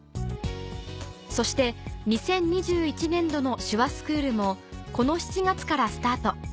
そして２０２１年度の手話スクールもこの７月からスタート